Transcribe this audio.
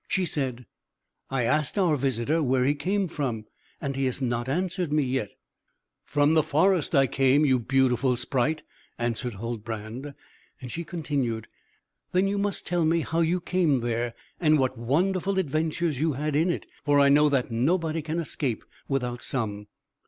She said, "I asked our visitor where he came from, and he has not answered me yet." "From the forest I came, you beautiful sprite," answered Huldbrand; and she continued: "Then you must tell me how you came there, and what wonderful adventures you had in it, for I know that nobody can escape without some."